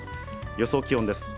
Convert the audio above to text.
予想気温です。